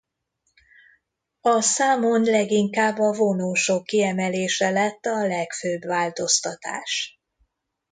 A számon leginkább a vonósok kiemelése lett a legfőbb változtatás.